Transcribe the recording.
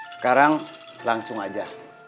sekarang langsung aja